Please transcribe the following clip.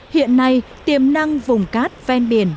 hiện nay tiềm năng vùng cát ven biển